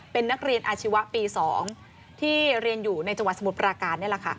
เป็นนักเรียนอาชีวะปี๒ที่เรียนอยู่ในจังหวัดสมุทรปราการนี่แหละค่ะ